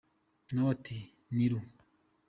Na we ati « Ni Ru ».